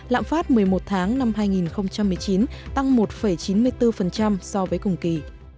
lạm phát một mươi một tháng năm hai nghìn một mươi chín tăng một chín mươi bốn so với cùng kỳ